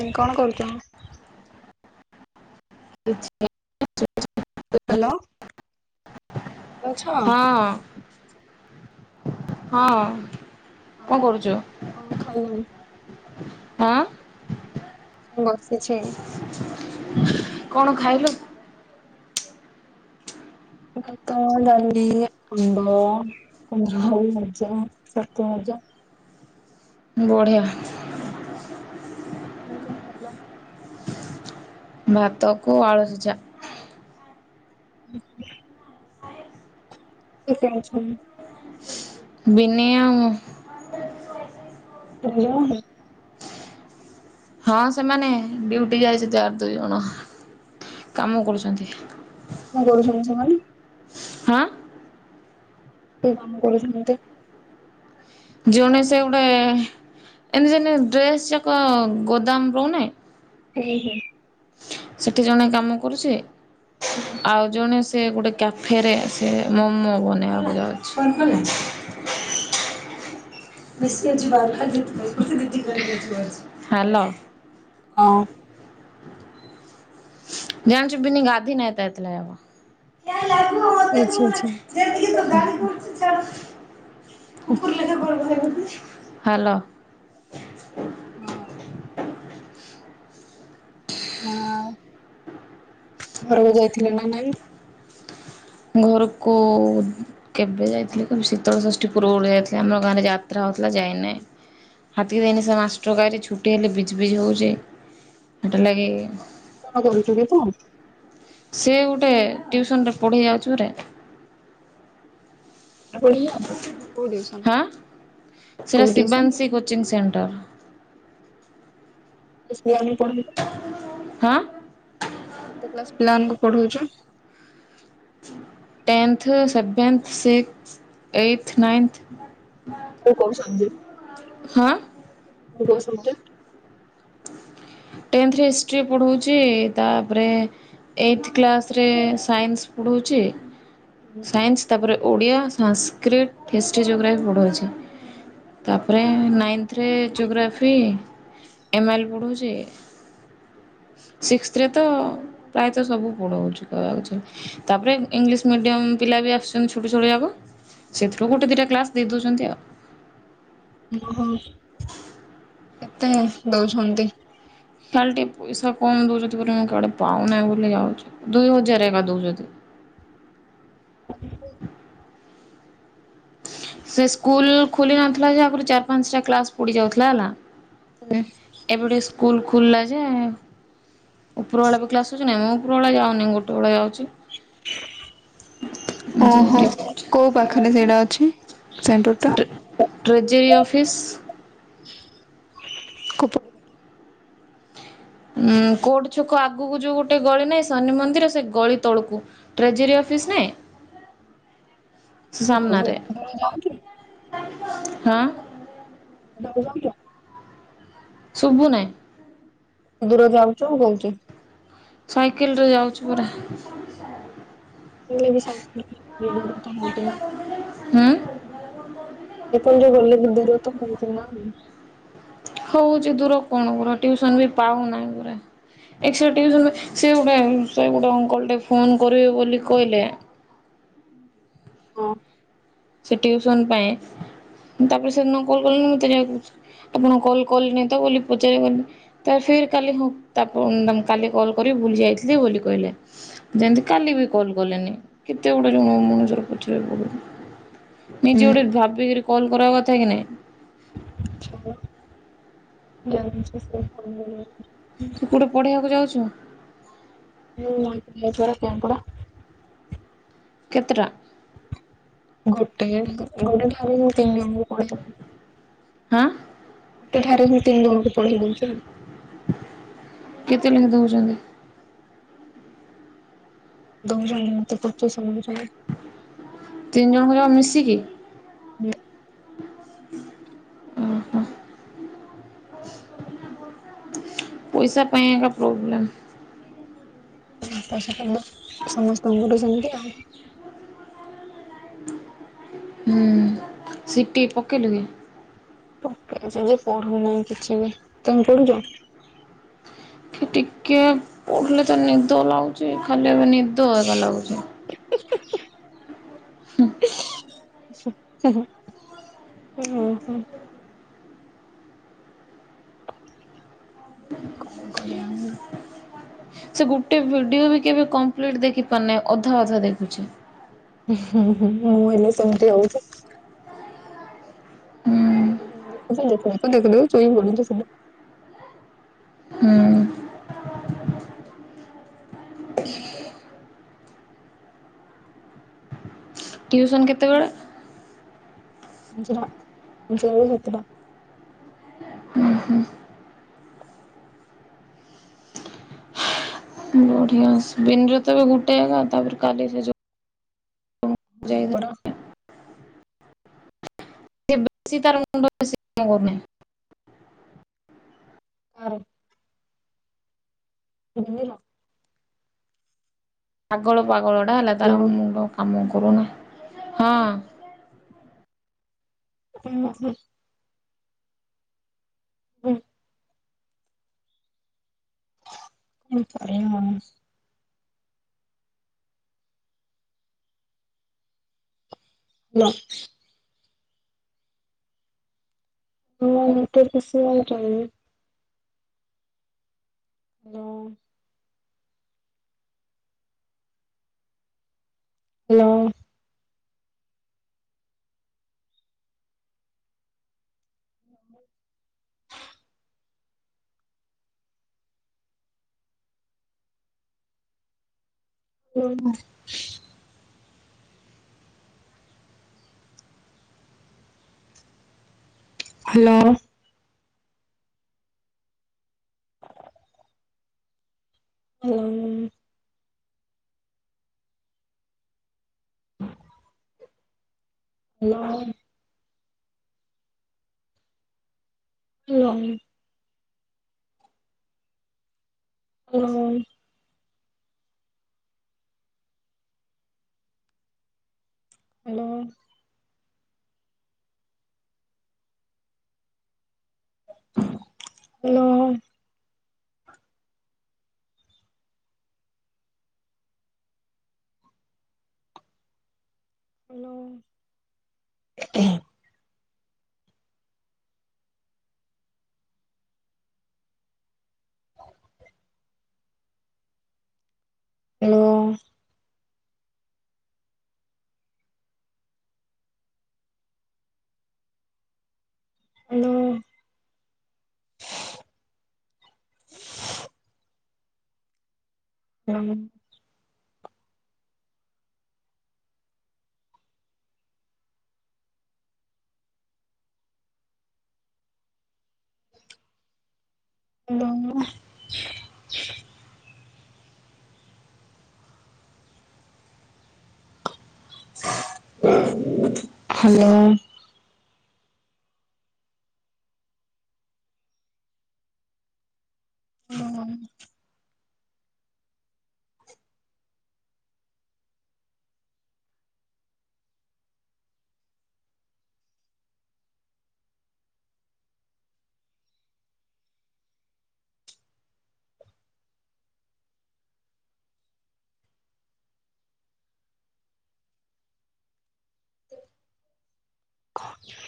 ତମେ କଣ କରୁଛ? ଅଛି ନାଇଁ। ହ୍ୟାଲୋ। ଅଛ? ହଁ। ହଁ କଣ ଆଉ କରୁଛୁ? କଣ ଖାଇଲଣି? ହଁ। ସିଏ ନସିଛି। କଣ ଖାଇଲୁ? ଭାତ ଡାଲି ଆମ୍ବ କୁନ୍ଦୁରି ଆଳୁ ଭଜା ଛତୁ ଭଜା। ବଢ଼ିଆ। ତମେ କଣ ଖାଇଲ? ଭାତ କୁ ଆଳୁସିଝା। ହଁ କେତେ ଅଛନ୍। ବିଧି ଆଉ ମୁଁ। ତିନି ଜଣ। ହଁ ସେମାନେ ଡ୍ୟଟି ଯାଇଛନ୍ତି ଆର ଦୁଇ ଜଣ କାମ କରୁଛନ୍ତି। କଣ କରୁଛନ୍ତି ସେମାନେ। ହାଁ। କୋଉ କାମ କରୁଛନ୍ତି। ଜଣେ ସେ ଗୋଟେ ଏମିତି ଯେମତି ଡ୍ରେସ୍ ଯାକ ଗୋଦାମ ରହୁ ନେହିଁ। ହୁଁ ହୁଁ। ସେଠି ଜଣେ କାମ କରୁଛି। ହୁଁ। ଆଉ ଜଣେ ସେ ଗୋଟେ କ୍ୟାଫେରେ ସେ ମୋମୋ ବନେଇବାକୁ ଯାଉଛି। ହ ହାଲୋ। କଁ। [unintelligible] ସେ ଆଛା ଆଛା। [unintelligible] ହାଲୋ। ହଁ। ହଁ ଘରକୁ ଯାଇଥିଲେ ନା ନାଇ। ଘରୁକୁ। କେବେ ଯାଇଥିଲି କହିବି ଶୀତଳ ଷଷ୍ଠୀ ପୂର୍ବ ରୁ ଯାଇଥିଲି ଆମ ଗାଁରେ ଯାତ୍ରା ହଉଥିଲା ଯାଇନି। ହାତକି ଯାଇନି ସେ ମାଷ୍ଟର ଭାରି ଛୁଟି ହେଲେ ବିଜି ବିଜି ହଉଛି ସେଇଟାର ଲାଗି। କଣ କରୁଛୁ କି ତୁ। ସିଏ ଗୋଟେ ଟ୍ୟଉସନ ରେ ପଢ଼ି ଯାଉଛି ଗୁରେ। କୋଉ ଟିଉସନ? ହାଁ କୋଉ ସେଇଟା ଟିଉସନ? Shivanshi coaching centre. [unintelligible] ହାଁ। କେତେ କ୍ଲାସ ପିଲା ମାନଙ୍କୁ ପଢଉଛ। Tenth seventh six eighth ninth. କୋଉ କୋଉ ସବଜେକ୍ଟ। ହାଁ। କୋଉ କୋଉ ସବଜେକ୍ଟ। ଟେନ୍ଥରେ ହିଷ୍ଟ୍ରି ପଢ଼ଉଛି ତାପରେ। ଏଇଟ୍ଥ କ୍ଲାସ୍ ରେ ସାଇନ୍ସ ପଢ଼ଉଛି। ହୁଁ। ସାଇନ୍ସ ତା ପରେ ଓଡ଼ିଆ ସାସ୍କ୍ରିଟ୍ ହିଷ୍ଟ୍ରି ଜୋଗ୍ରାଫି ପଢ଼ଉଛି। ତାପରେ ନାଇନ୍ଥରେ ଜୋଗ୍ରାଫି ଏମ ଆଇ ଲ୍ ପଢ଼ଉଛି। ସିକ୍ସଥ ରେ ତ ପ୍ରାୟତଃ ସବୁ ପଢଉଛି କହିବାକୁଛି। ତାପରେ ଇଂଲିଶ ମିଡ଼ିୟମ ପିଲା ବି ଆସୁଛନ୍ତି ଛୋଟ ଛୋଟ ଯାକ। ସେଇଥିରୁ ଗୋଟେ ଦିଟା କ୍ଲାସ୍ ଦେଇ ଦେଉଛନ୍ତି ଆଉ। ଓହୋ କେତେ ଦଉଛନ୍ତି। ଖାଲି ଟିକେ ପଇସା କମ୍ ଦେଉଛନ୍ତି ବୋଲି ମୁଁ କାଆଡ଼େ ପାଉନାହିଁ ବୋଲି ଯାଉଚି ଦୁଇ ହଜାର ଏକା ଦେଉଚନ୍ତି। ସେସ୍କୁଲ୍ ଖୋଲି ନଥିଲାଯା ଆଗୁରୁ ଚାରି ପାଞ୍ଚଟା କ୍ଲାସ୍ ପୋଡ଼ି ଯାଉଥିଲା ହେଲା। ହୁଁ। ଏବେ ଟିକେ ସ୍କୁଲ୍ ଖୋଲିଲାଯେ ଉପର ବେଳେବି କ୍ଲାସ୍ ହୋଉଚିନା ମୁଁଉପର ବେଳା ଯାଉନି ଗୋଟେବେଳେ ଯାଉଚି। ଓହୋ କୋଉ ପାଖରେ ସେଇଟା ଅଛି ସେଣ୍ଟରଟା? ଟ୍ରେଜରୀ ଅଫିସ୍ କୋଉ ପ ଉଁ କୋଟ ଛକ ଆଗକୁ ଯୋଉ ଗୋଟେ ଗଳି ନାହିଁ ଶନି ମନ୍ଦିର ସେଗଳି ତଳକୁ। ଟ୍ରେଜରୀ ଅଫିସ୍ ନାଇଁ [inaudible] ସେସାମ୍ନାରେ ଏତେ ଦୂର ଯାଉଛୁ ହଁ। [unintelligible] ଶୁବୁନାଇଁ? ଦୂର ଯାଉଚୁ ମୁଁ କହୁଚି। ସାଇକେଲରେ ଯାଉଚି ପରା। ହୁଁ। [unintelligible] କେତେଳେ ଯୋଉ ଗଲେ ଦିଦିରତ ହେଇଚିନା। ହଉଚି ଦୂର କଣ କରି ଟିଉସନବି ପାଉନାହିଁ ପରା। ଏକ୍ସଟ୍ରା ଟିଉସନ୍ ସେଗୋଟେ ସେଗୋଟେ ଅଙ୍କଲଟେ ଫୋନ୍ କରିବେ ବୋଲି କହିଲେ ହଁ। ସେଟିଉସନ ପାଇଁ ତାପରେ ସେଦିନ କଲ୍ କଲେଣିି ମତେ ଯା ଆପଣଙ୍କୁ କଲ୍ କଲିନିତ ବୋଲି ପଚାରିବନି ତାଫିର୍ କାଲି ହଁ ତାପ କାଲି କଲ୍ କରିବି ଭୁଲି ଯାଇଥିଲି ବୋଲି କହିଲେ। ଯେମିତି କାଲିବି କଲ୍ କଲେନି କେତେ ଗୁଡ଼େ ଜଣ ମଣିଷର ପଛରେ ପଡ଼ିବୁ। ନିଜେ ଗୋଟେ ଭାବିକିରି କଲ୍ କରିବାକଥାକି ନାଇଁ। [unintelligible] ତୁ କଉଠେ ପଢିବାକୁ ଯାଉଛୁ? ମୁଁ [unintelligible] କେପଡ଼ା। କେତେଟା? ଗୋଟେ ଗୋଟେ ଠାରେ ମୁଁ ତିନି ଜଣଙ୍କୁ ପଢ଼େଇବି। ହଁ। ଗୋଟେ ଠାରେ ମୁଁ ତିନି ଜଣଙ୍କୁ ପଢ଼େଇ ଦୋଉଚଅ। କେତେଲେଖା ଦଉଚନ୍ତି? ଦଉଚନ୍ତି ମତେ ପଚ [unintelligible] ତିନି ଜଣଙ୍କ ଯମା ମିଶିକି? ହୁଁ। ଓହୋ ପଇସା ପାଇଁ ଏକା ପ୍ରୋବ୍ଲେମ୍। [unintelligible] ସମସ୍ତଙ୍କଠୁ ସେମିତି ଆଉ। ହୁଁ ସିଟିି ପକେଇଲୁକି? ପକେଇଚିଯେ ପଢୁନାହିଁ କିଛିବି ତମେ ପଢୁଚ? ଏଠି ଟିକେ ପଢିଲେତ ନିଦ ଲାଗୁଚି ଖାଲି ଏବେ ନିଦ ହେଗା ଲାଗୁଚି। ହୁଁ। ଉଁ ହୁଁ। କଣ କରିବା ଆଉ। [inaudible] ସେ ଗୋଟେ ଭିଡିଓବି କେବେ କମ୍ପ୍ଲିଟ ଦେଖି ପାରୁନାହିଁ ଅଧା ଅଧା ଦେଖୁଚି। ମୁଁ ହେଲେ ସେମିତି ହଉଚି। ହୁଁ ଦେଖୁଚି ଦେଖୁ ଦେଖୁ ଦେଖୁ ଦେଖୁ ଶୋଇ ପଡୁଚି ସିଧା। ହୁଁ। [inaudible] ଟ୍ୟୁସନ୍ କେତେବେଳେ? ପାଞ୍ଚଟା। ପାଞ୍ଚଟା ରୁ ସାତଟା। [unintelligible] ବଢିଆ। [unintelligible] ତାପରେ କାଲି ରେ ଯୋଉ ହଁ ପରା [unintelligible] [unintelligible] କାରେ? [unintelligible] ପାଗଳ ପାଗଳଟା ହେଲା। ତାର ହ୍ୟାଲୋ ମୁଣ୍ଡ କାମ କରୁନି ହଁ। [unintelligible] ଉଁ [unintelligible] [unintelligible] [unintelligible] ଯୋଉଁ [unintelligible] [inaudible] [unintelligible] hello. [unintelligible] [inaudible] Hello. [unintelligible] [unintelligible] Hello. Hello. Hello. Hello. Hello. [unintelligible] Hello. Hello. [unintelligible] କହଃ